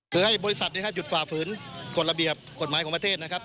คือให้บริษัทนะครับหยุดฝ่าฝืนกฎระเบียบกฎหมายของประเทศนะครับ